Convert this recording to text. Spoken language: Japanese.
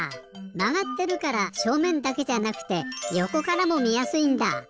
まがってるからしょうめんだけじゃなくてよこからもみやすいんだ！